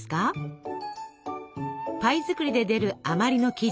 パイ作りで出る余りの生地。